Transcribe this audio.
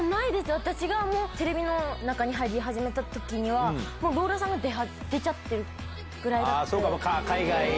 私がテレビの中に入り始めたときには、もうローラさんが出ちゃってるぐらいで。